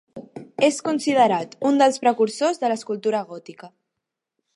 És considerat un dels precursors de l'escultura gòtica.